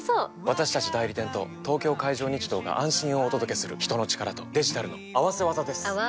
私たち代理店と東京海上日動が安心をお届けする人の力とデジタルの合わせ技です！